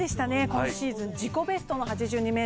今シーズン自己ベストの８２ｍ３４。